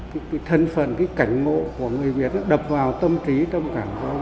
cái thân phần cái cảnh ngộ của người việt đập vào tâm trí tâm cảm của ông